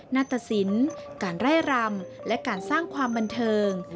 ัตตสินการไล่รำและการสร้างความบันเทิง